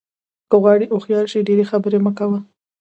که غواړې هوښیار شې ډېرې خبرې مه کوه.